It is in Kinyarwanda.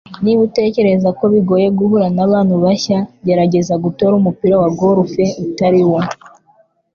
Niba utekereza ko bigoye guhura n'abantu bashya, gerageza gutora umupira wa golf utari wo.”